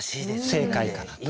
正解かなと。